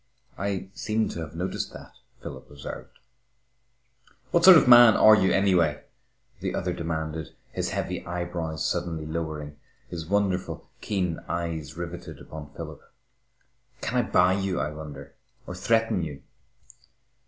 "I seem to have noticed that," Philip observed. "What sort of a man are you, anyway?" the other demanded, his heavy eyebrows suddenly lowering, his wonderful, keen eyes riveted upon Philip. "Can I buy you, I wonder, or threaten you?"